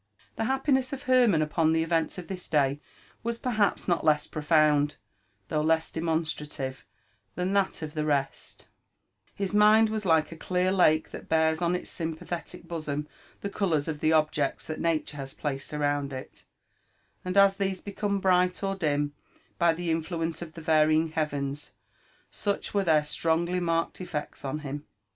The happiness of Hermann upon the events of this day was perhaps not less profound, though less demonstrative, than that of the rest, His mind was like a clear lake that bears on its sympathetic bosom the colours of the objects that Nature has placed around it; and as these become bright or dim by the influence of the varying heavens, such were their strongly marked eflec(s on him.